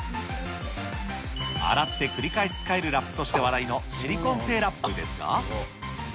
洗って繰り返し使えるラップとして話題のシリコン製ラップですが。